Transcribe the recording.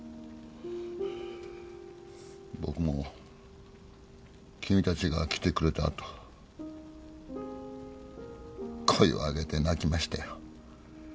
僕も君たちが来てくれた後声を上げて泣きましたよ。